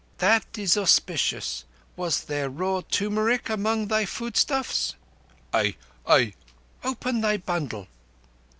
That is auspicious. Was there raw turmeric among thy foodstuffs?" "I—I—" "Open thy bundle!"